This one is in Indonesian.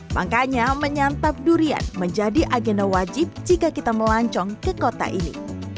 makanya menyantap durian menjadi agenda wajib jika kita melancong ke kota ini